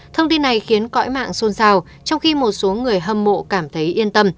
thông tin này khiến cõi mạng xôn xao trong khi một số người hâm mộ cảm thấy yên tâm